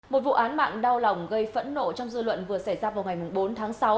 một vụ án mạng đau lòng gây phẫn nộ trong dư luận vừa xảy ra vào ngày bốn tháng sáu